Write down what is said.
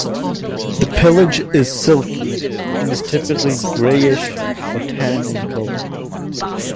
The pelage is silky and is typically greyish or tan in colour.